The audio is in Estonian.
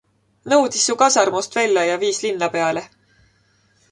Nõudis Su kasarmust välja ja viis linna peale.